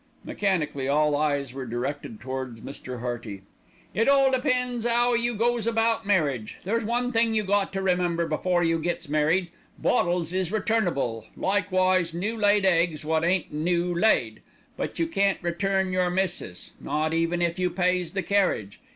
Mechanically all eyes were directed towards Mr. Hearty. "It all depends 'ow you goes about marriage. There's one thing you got to remember before you gets married: bottles is returnable, likewise new laid eggs wot ain't new laid; but you can't return your missus, not even if you pays the carriage.